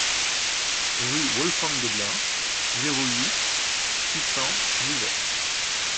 Rue Wolfgang Doeblin, zéro huit, six cents Givet